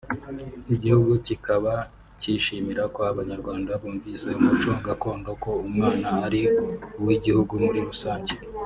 igihugu kikaba kishimira ko Abanyarwanda bumvise umuco gakondo ko umwana ari uw’igihugu muri rusange